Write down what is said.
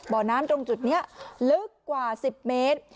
บ่อน้ำตรงจุดนี้ลึกกว่า๑๐เมตร